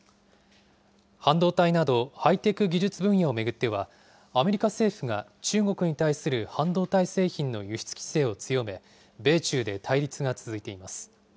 半導体などハイテク技術分野を巡っては、アメリカ政府が中国に対する半導体製品の輸出規制を強め、米中で対立が続いています。